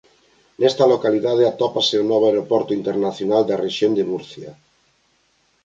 Nesta localidade atópase o novo Aeroporto Internacional da Rexión de Murcia.